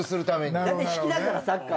だいたい引きだからサッカーは。